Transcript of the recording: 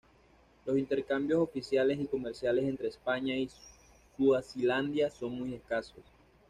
Los intercambios oficiales y comerciales entre España y Suazilandia son muy escasos.